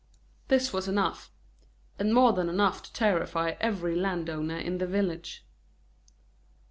This was enough, and more than enough to terrify every land owner in the village.